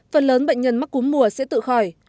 phần lớn bệnh nhân mắc cúm mùa sẽ tự khỏi